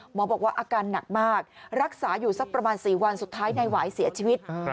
บอกว่าอาการหนักมากรักษาอยู่สักประมาณ๔วันสุดท้ายนายหวายเสียชีวิต